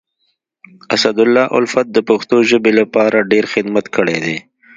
اسدالله الفت د پښتو ژبي لپاره ډير خدمت کړی دی.